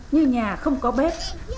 như nhà không có bếp